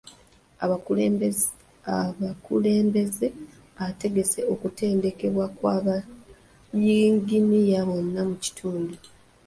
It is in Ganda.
Abakulembeze ategese okutendekebwa kwa bayinginiya bonna mu kitundu.